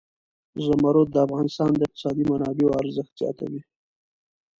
زمرد د افغانستان د اقتصادي منابعو ارزښت زیاتوي.